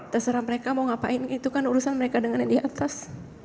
terserah mereka mau ngapain itu kan urusan mereka dengan yang di atas